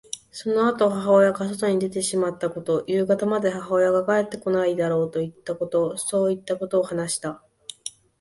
そのあと母親が外に出てしまったこと、夕方まで母親が帰ってこないだろうといったこと、そういったことを話した。